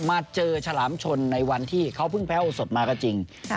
มาเจอฉลามชนในวันที่เขาเพิ่งแพ้โอสดมาก็จริง